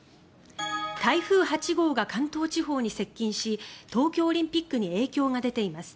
台風８号が関東地方に接近し東京オリンピックに影響が出ています。